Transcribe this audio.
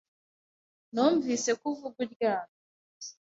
Numvise ko uvuga uryamye.